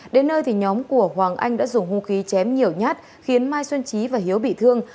đến nơi thì nhóm của hoàng anh đã dùng hung khí chém nhiều nhát khiến mai xuân trí và hiếu bị thương